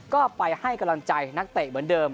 ก็ไปให้กำลังใจนักเตะเหมือนเดิม